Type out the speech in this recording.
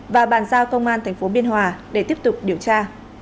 và bàn giao công an tp biên hòa để tiếp tục điều tra